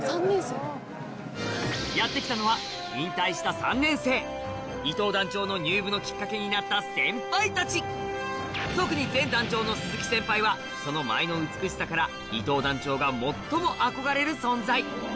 やって来たのは伊藤団長の入部のきっかけになった先輩たち特に団長の鈴木先輩はその舞の美しさから伊藤団長が最も憧れる存在